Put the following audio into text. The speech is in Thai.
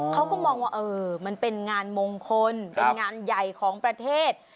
เขาก็มองว่าเออมันเป็นงานมงคลเป็นงานใหญ่ของประเทศ